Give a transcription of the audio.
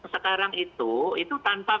sekarang itu itu tanpa